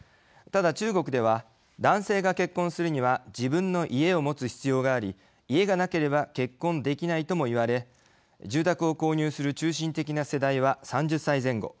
ただ中国では男性が結婚するには自分の家を持つ必要があり家がなければ結婚できないともいわれ住宅を購入する中心的な世代は３０歳前後。